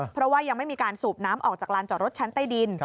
เพราะว่ายังไม่มีการสูบน้ำออกจากลานจอดรถชั้นใต้ดิน